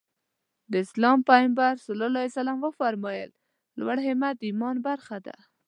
د اسلام پيغمبر ص وفرمايل لوړ همت د ايمان برخه ده.